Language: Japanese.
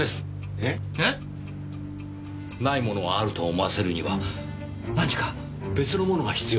えっ？ないものをあると思わせるには何か別のものが必要なんです